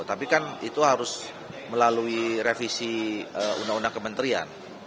tapi kan itu harus melalui revisi undang undang kementerian